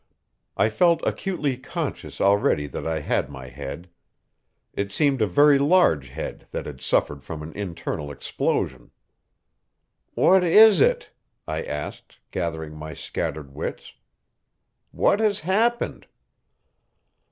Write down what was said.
I felt acutely conscious already that I had my head. It seemed a very large head that had suffered from an internal explosion. "What is it?" I asked, gathering my scattered wits. "What has happened?"